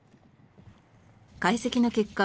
解析の結果